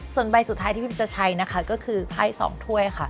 ส่วนใบสุดท้ายที่พิมจะใช้นะคะก็คือไพ่๒ถ้วยค่ะ